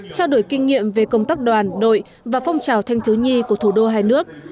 trao đổi kinh nghiệm về công tác đoàn đội và phong trào thanh thiếu nhi của thủ đô hai nước